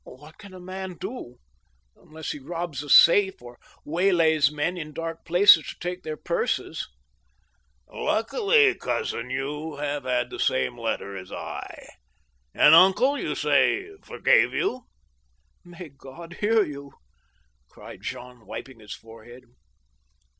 " What can a man do— unless he robs a safe, or waylays men in dark places to take their purses ?"" Luckily, cousin, you have had the same letter as I. And uncle, you say, forgave you ?"" May God hear you !" cried Jean, wiping his forehead.